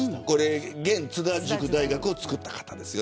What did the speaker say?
現津田塾大学を作った方です。